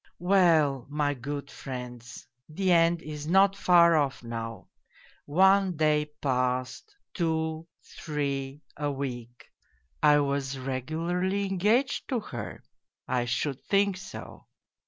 " Well, my good friends, the end is not far off now. One day 220 POLZUNKOV passed, two, three, a week; I was regularly engaged to her. I should think so